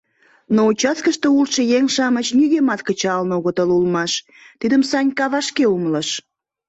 Но участкыште улшо еҥ-шамыч нигӧмат кычалын огытыл улмаш, тидым Санька вашке умылыш.